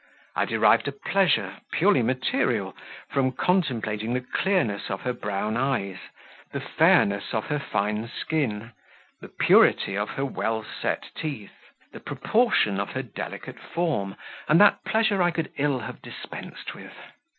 I derived a pleasure, purely material, from contemplating the clearness of her brown eyes, the fairness of her fine skin, the purity of her well set teeth, the proportion of her delicate form; and that pleasure I could ill have dispensed with.